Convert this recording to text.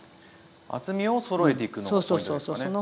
厚みをそろえていくのがポイントですよね。